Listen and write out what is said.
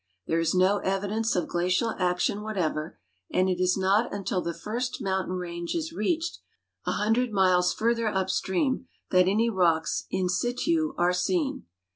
There is no evidence of glacial action whatever, and it is not until the first mountain range is reached, a hundred miles further upstream, that any rocks in situ are seen.